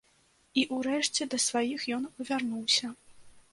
І ўрэшце да сваіх ён вярнуўся.